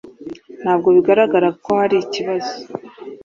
Ntabwo bigaragara ko hari ikibazo.